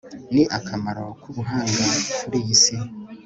ni akamaro k'ubuhanga kuri iyi si